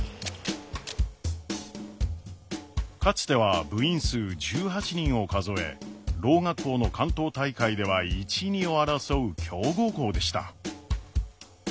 かつては部員数１８人を数えろう学校の関東大会では１２を争う強豪校でした。